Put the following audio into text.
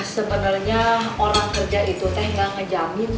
sebenarnya orang kerja itu teh nggak ngejamin